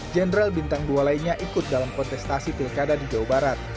jenderal bintang dua lainnya ikut dalam kontestasi pilkada di jawa barat